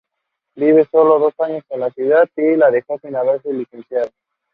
The programme also included clips of Alcatrazz in rehearsal.